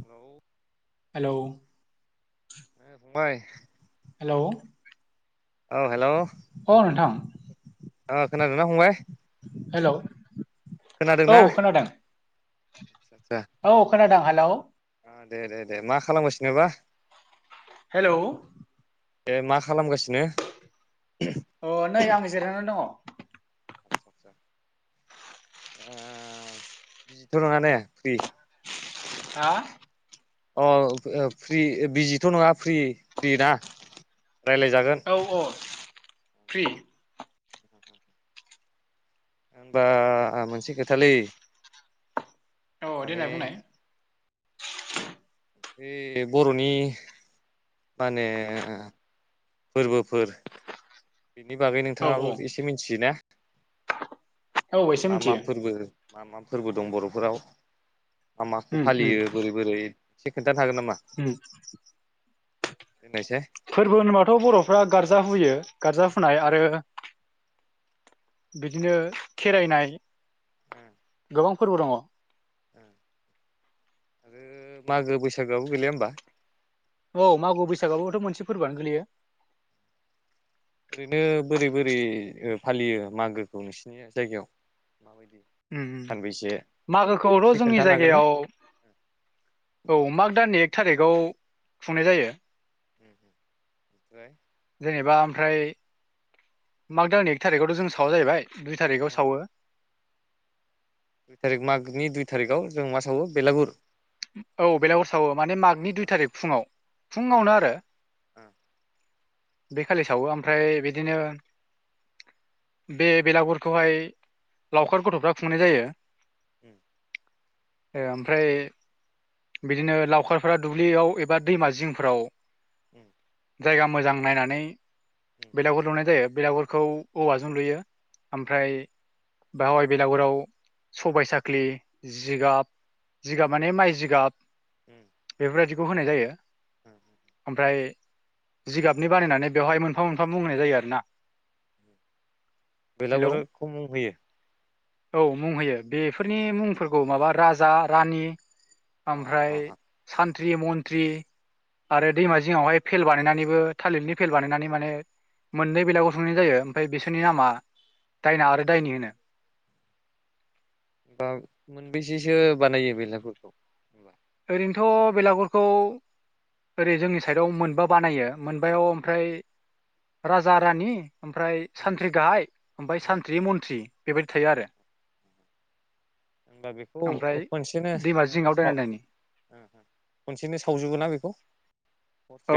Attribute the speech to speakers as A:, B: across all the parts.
A: Hello
B: hello
A: औ फंबायबाय!
B: Hello
A: औ हेलौ
B: अ नोंथां
A: ओ खोनादोंना फंबाय?
B: हेलौ औ खोनादों।
A: ए
B: औ खोनादों हालौ
A: अ दे दे दे मा खालाम गासिनो बा?
B: हेलौ
A: ए मा खालामगासिनो?
B: अ नै आं जिरायनानै दङ।
A: आस्सा आस्सा ओ बिजिथ' नङा ने फ्रि?
B: हा?
A: अ ओ फ्रि बिजिथ' नङा फ्रि फ्रि ना? रायज्लायजागोन।
B: औ अ फ्रि।
A: होमबा मोनसे खोथालै
B: औ
A: माने
B: देनाय बुंनाय।
A: बे बर'नि माने फोरबोफोर बिनि बागै
B: औ
A: नोंथाङाबो
B: औ
A: एसे मिथियोना?
B: औ एसे
A: मा मा
B: मिथियो
A: फोरबो मा मा फोरबो दं बर'फोराव मा माखौ
B: उम
A: फालियो बोरै बोरै एसे खोन्थानो हागोन नामा?
B: ओम।
A: होननायसाय।
B: फोरबो होनोबाथ' बर'फ्रा गार्जा हुयो गार्जा हुनाय आरो बिदिनो खेराय होनाय गोबां फोरबो दङ।
A: आरो मागो-बैसागोआबो गैलैया होमबा?
B: औ मागो-बैसागो आबोथ' मोनसे फोरबोआनो गोलैयो।
A: ओरैनो बोरै बोरै ओ फालियो मागोखौ नोंसिनि जायगायाव माबायदि?
B: ओम ओम
A: सानबैसे
B: मागोखौथ'
A: एसे
B: जोंनि
A: खोन्थानो हागोन ना
B: जायगायाव औ माग दाननि एक थारिग आव खुंनाय जायो।
A: ओम ओम ओमफ्राय
B: जेनेबा ओमफ्राय माग दानननि एक थारिगआवथ' जों सावा जाहैबाय दुइ थारिगआव सावो।
A: दुइ थारिग मागनि दुइ थारिगआव जों मा सावो बेलागुर?
B: औ बेलागुर सावो माने मागनि दुइ थारिग फुङाव फुङावनो आरो बे खालि सावो ओमफ्राय बिदिनो बे बेलागुरखौहाय लावखार गथ'फ्रा खुंनाय जायो।
A: ओम
B: ओ ओमफ्राय बिदिनो लावखारफ्रा दुब्लियाव एबा दैमा जिंफ्राव
A: उम
B: जायगा मोजां नायनानै
A: उम।
B: बेलागुर लुनाय जायो बेलागुरखौ औवाजों लुयो ओमफ्राय बेहावाय बेलागुराव सबाय साखलि जिगाब जिगाब माने माइ जिगाब
A: उम
B: बेफोरबायदिखौ होनाय जायो ओमफ्राय जिगाबनि बानायनानै बेवहाय मोनफा मोनफा बुंनाय जायो आरो ना हेलौ
A: बेलागुरा खौ मुं होयो
B: औ मुं होयो बेफोरनि मुंफोरखौ माबा राजा रानि
A: अ
B: ओमफ्राय
A: अ
B: सानथ्रि मन्थ्रि आरो दैमा जिङावहाय फेल बानायनानैबो थालिरनि फेल बानायनानै माने मोननै बेलागुर सावनाय जायो ओमफ्राय बिसोरनि नामा दायना आरो दायनि होनो
A: बा मोनबेसेसो बानायो बेलागुरखौ होमबा
B: ओरैनोथ' बेलागुरखौ ओरै जोंनि साइडआव मोनबा बानायो मोनबायाव ओमफ्राय राजा रानि ओमफ्राय सानथ्रि गाहाय ओमफफ्राय सानथ्रि मन्थ्रि बेबायदि थायो आरो
A: होनबा बेखौ
B: ओमफ्राय
A: खसेनो
B: दैमा
A: ओ
B: जिङाव दायना
A: साव
B: दायनि
A: हम हम खनसेनो सावजोबो ना बेखौ?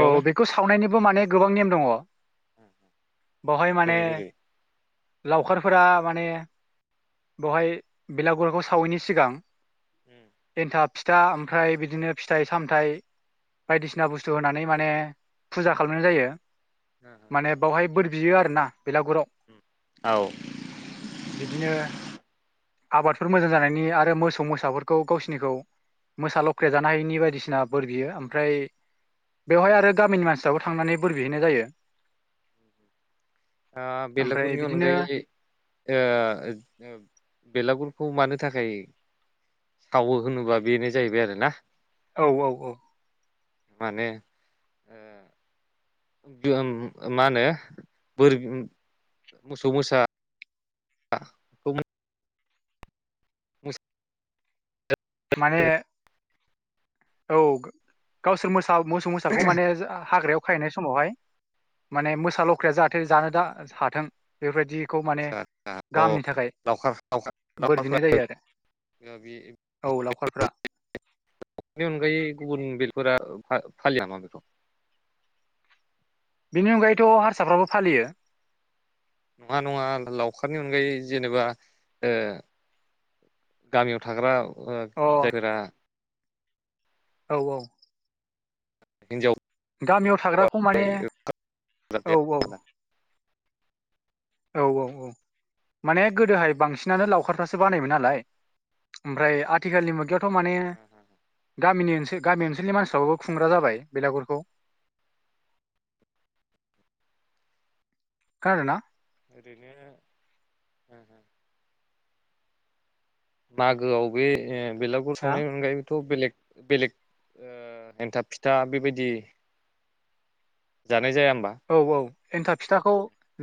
B: औ बेखौ सावनायनिबो माने गोबां नेम दङ
A: हो हो
B: बहाय माने लावखारफोरा माने बवहाय बेलागुराखौ सावैनि सिगां
A: उम
B: एन्थाब फिथा ओमफ्राय बिदिनो फिथाइ सामथाइ बायदिसिना बुस्थु स्थु होनानै माने फुजा खालामनाय जायो माने बेवहाय बोर बियो आरोना बेलागुराव
A: औ
B: बिदिनो आबादफोर मोजां जानायनि आरो मोसौ मोसाफोरखौ गावसिनिखौ मोसा लावख्राया जानो हायिनि बायदिसिना बोर बियो ओमफ्राय बेवहाय आरो गामिनि मानसिफ्राबो थांनानै बोर बिहैनाय जायो
A: आ
B: ओमफ्राय
A: बेलागुरनि
B: बिदिनो
A: अनगायै ओ ओब बेलागुरखौ मानो थाखाय सावो होनोबा बेनो जाहैबाय आरो ना
B: औ औ औ
A: माने ओ बो ओम मा होनो बोर बि मोसौ मोसा [unintelligible] मोस
B: माने औ गावसोर मोसा मोसौ मोसाखौ माने जा आ हाग्रायाव खायैनाय समावहाय माने मोसा लख्राया जाथे जानो दा हाथों बेफोरबायदि खौ माने
A: आदसा आदसा अ
B: गाहामनि थाखाय
A: लावखार
B: बोर बिनाय जायो आरो
A: दा बि
B: औ लावखारफ्रा
A: नि अनगायै गुबुन बेलगफोरा फालिया नामा बेखौ?
B: बिनि अनगायैथ' हारसाफ्राबो फालियो
A: नङा नङा लावखारनि अनगायै जेनेबा ओ गामियाव थाग्रा ओ
B: अ
A: जायफोरा
B: औ औ
A: हिनजाव
B: गामियाव थाग्राखौ माने औ औ। औ औ औ। माने गोदोहाय बांसिनानो लावखारफ्रासो बानायोमोन नालाय ओमफ्राय आथिखालनि मुगायाव थ' माने गामिनि ओसोल गामि ओनसोलनि मानसिफ्रो खुंग्रा जाबाय बेलागुरखौ खोनादोंना
A: ओरैनो ओ हो बागोआव बे बेलागुर
B: हा
A: सावनायनि अनगायैबोथ' बेलेग बेलेग ओ एन्थाब फिथा बेबायदि जानाय जाया होमबा?
B: औ औ एन्थाब फिथाखौ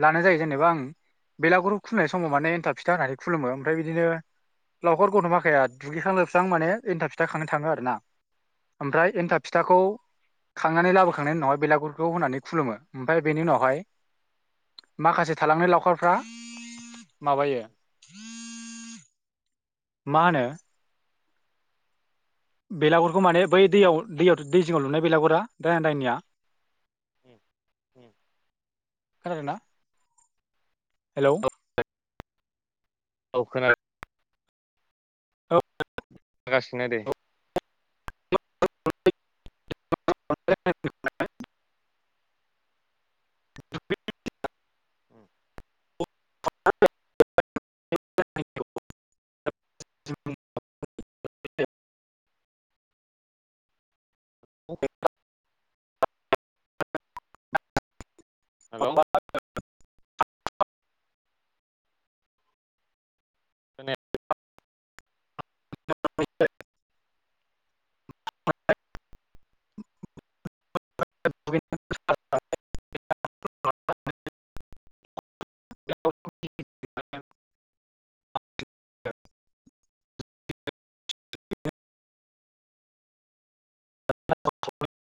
B: लानाय जायो जेनेबा ओम। बेलागुरखौ खुलुमनाय समाव माने एन्थाब फिथा होननानै खुुलुमो ओमफ्राय बिदिनो लावखार गथ'माखाया दुगैखां लोबस्रां माने एन्थाब फिथा खांनो थाङो आरोना। ओमफ्राय एन्थाब फिथाखौ खांनानै लाबोखांनायनि उनावा बेलागुरखौ होनानै खुलुमो। ओमफ्राय बेनि उनावहाय माखासे थालांनाय लावखारफ्रा माबायो मा होनो बेलागुरखौ माने बै दैयाव दैयाव दै जिङाव लुनाय बेलागुरा राङा दायनिया
A: उम।
B: खोनादों ना? हेलौ
A: औ औ खोनादों।
B: औ
A: खोनागासिनो दे।
B: [unintelligible] [unintelligible]
A: हेलौ। हेलौ खोनाया खै
B: [unintelligible] [unintelligible]